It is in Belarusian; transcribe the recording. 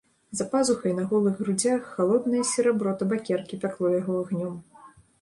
За пазухай на голых грудзях халоднае серабро табакеркі пякло яго агнём.